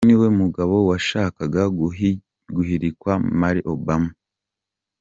Uyu niwe mugabo washakaga guhwikira Malia Obama